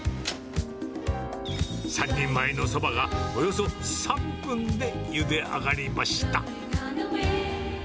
３人前のそばがおよそ３分でゆで上がりました。